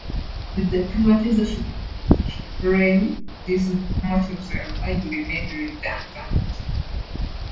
With the privatisation of British Rail these locomotives were largely made redundant.